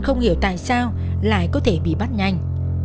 không hiểu tại sao lại có thể bị bắt nhanh